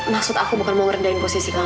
maksud aku bukan mau ngerendahin posisi kamu man